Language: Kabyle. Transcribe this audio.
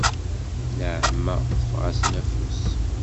Nneɛma teffeɣ-asen afus.